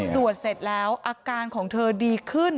เสร็จแล้วอาการของเธอดีขึ้น